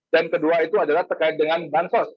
dan kedua itu adalah terkait dengan bansos